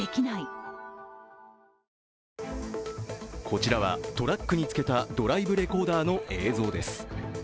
こちらはトラックにつけたドライブレコーダーの映像です。